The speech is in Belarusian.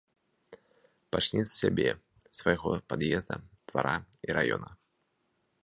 Пачні з сябе, свайго пад'езда, двара і раёна.